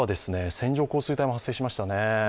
線状降水帯が発生しましたね。